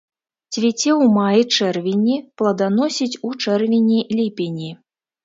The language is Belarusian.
Цвіце ў маі-чэрвені, пладаносіць у чэрвені-ліпені.